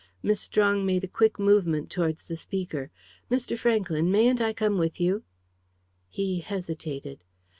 Miss Strong made a quick movement towards the speaker. "Mr. Franklyn, mayn't I come with you?" He hesitated.